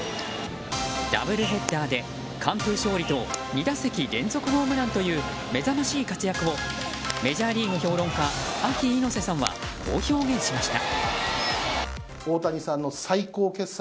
ダブルヘッダーで完封勝利と２打席連続ホームランという目覚ましい活躍をメジャーリーグ評論家ＡＫＩ猪瀬さんはこう表現しました。